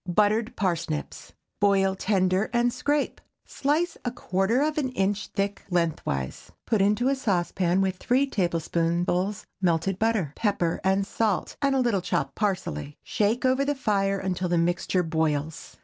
BUTTERED PARSNIPS. Boil tender and scrape. Slice a quarter of an inch thick lengthwise. Put into a saucepan with three tablespoonfuls melted butter, pepper and salt, and a little chopped parsley. Shake over the fire until the mixture boils.